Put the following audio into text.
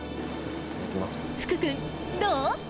福君どう？